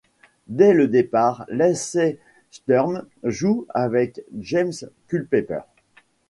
Dès le départ, Lacey Sturm joue avec James Culpepper.